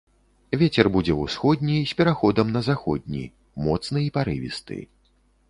Вецер будзе ўсходні з пераходам на заходні, моцны і парывісты.